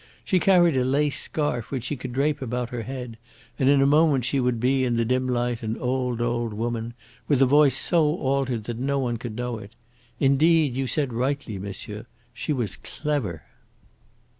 She carried a lace scarf which she could drape about her head, and in a moment she would be, in the dim light, an old, old woman, with a voice so altered that no one could know it. Indeed, you said rightly, monsieur she was clever."